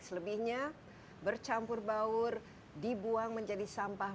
selebihnya bercampur baur dibuang menjadi sampah